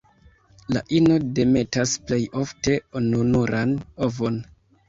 La ino demetas plej ofte ununuran ovon.